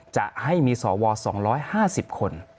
จะให้มีสว๒๕๐คน